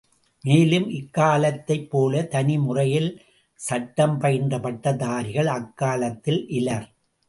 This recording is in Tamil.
மேலும் இக்காலத்தைப் போலத் தனி முறையில் சட்டம் பயின்ற பட்டதாரிகள் அக்காலத்தில் இலர்.